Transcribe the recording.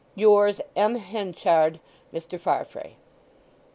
—Yours, M. HENCHARD. Mr. Farfrae.